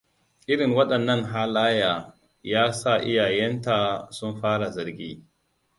Irin waɗannan halaye ya sa iyayenta sun fara zargi.